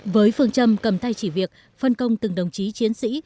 với phương châm cầm tay chỉ việc phân công từng đồng chí chiến sĩ